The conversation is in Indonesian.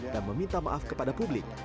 dan meminta maaf kepada publik